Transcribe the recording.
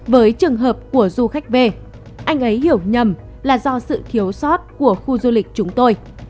với trường hợp của du khách về anh ấy hiểu nhầm là do sự thiếu sót của khu du lịch chúng tôi